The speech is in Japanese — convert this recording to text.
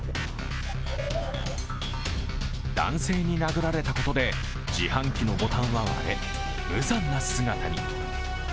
男性に殴られたことで、自販機のボタンは割れ無残な姿に。